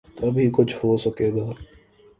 تب ہی کچھ ہو سکے گا۔